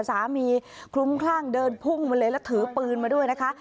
คลุ้มคลั่งเดินพุ่งมาเลยแล้วถือปืนมาด้วยนะคะ